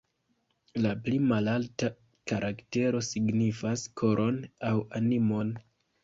La pli malalta karaktero signifas "koron" aŭ "animon".